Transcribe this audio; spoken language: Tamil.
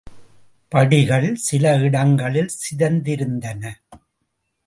படிகள் சில இடங்களில் சிதைந்திருந்தன.